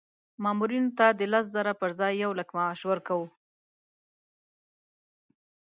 مامورینو ته د لس زره پر ځای یو لک معاش ورکوو.